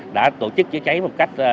đã tổ chức chữa cháy một cách